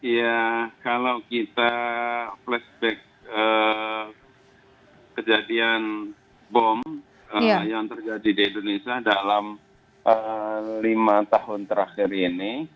ya kalau kita flashback kejadian bom yang terjadi di indonesia dalam lima tahun terakhir ini